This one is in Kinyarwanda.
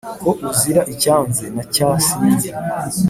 Ko uzira icyanze na cya sinzi